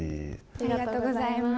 ありがとうございます。